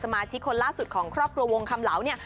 มาชิกคนล่าสุดของครอบครัววงคำเหลาเนี่ย